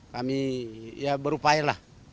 kami ya berupaya lah